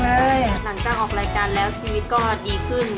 หลังจากออกรายการแล้วชีวิตก็ดีขึ้น